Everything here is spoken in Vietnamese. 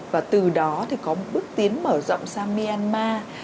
và từ đó thì có một bước tiến mở rộng sang myanmar